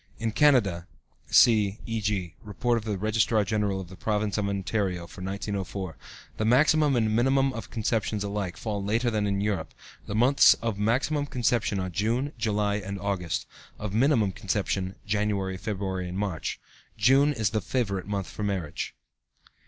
In Canada (see e.g., Report of the Registrar General of the Province of Ontario for 1904), the maximum and minimum of conceptions alike fall later than in Europe; the months of maximum conception are June, July, and August; of minimum conception, January, February, and March. June is the favorite month for marriage.